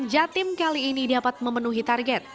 jatim kali ini dapat memenuhi target